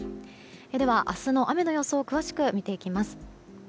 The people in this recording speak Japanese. では、明日の雨の予想を詳しく見ていきます。